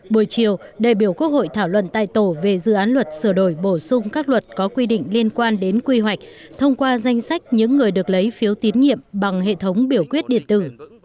buổi chiều đại biểu quốc hội thảo luận tại tổ về dự án luật sửa đổi bổ sung các luật có quy định liên quan đến quy hoạch thông qua danh sách những người được lấy phiếu tín nhiệm bằng hệ thống biểu quyết điện tử